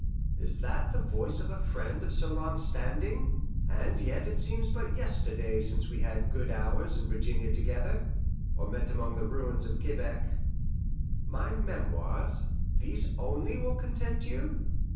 Is that the voice of a friend of so long standing? And yet it seems but yesterday since we had good hours in Virginia together, or met among the ruins of Quebec. My memoirs these only will content you?